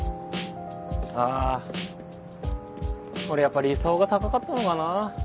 あ俺やっぱ理想が高かったのかな。